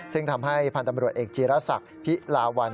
ซึ่งทำให้พตำรวจเอกจีรัสตร์ภิลาวัล